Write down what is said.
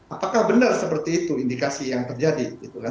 apakah benar seperti itu indikasi yang terjadi